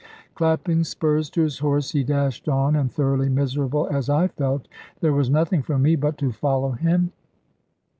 Clapping spurs to his horse, he dashed on; and thoroughly miserable as I felt, there was nothing for me but to follow him.